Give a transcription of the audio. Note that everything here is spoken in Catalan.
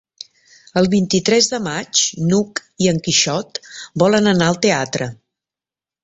El vint-i-tres de maig n'Hug i en Quixot volen anar al teatre.